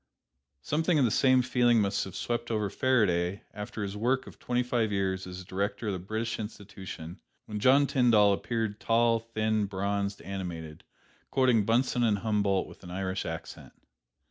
Something of the same feeling must have swept over Faraday after his work of twenty five years as director of the British Institution, when John Tyndall appeared, tall, thin, bronzed, animated, quoting Bunsen and Humboldt with an Irish accent.